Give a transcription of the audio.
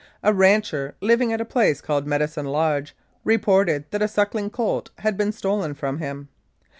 A rancher, living at a place called Medicine Lodge, reported that a suckling colt had been stolen from him.